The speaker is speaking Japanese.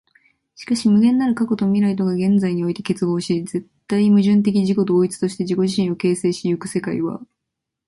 しかし無限なる過去と未来とが現在において結合し、絶対矛盾的自己同一として自己自身を形成し行く世界は、